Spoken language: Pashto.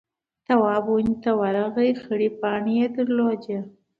تواب ونې ته ورغئ خړې پاڼې يې درلودې.